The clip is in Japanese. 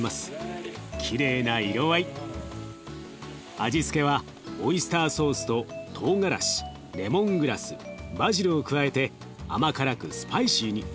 味付けはオイスターソースととうがらしレモングラスバジルを加えて甘辛くスパイシーに。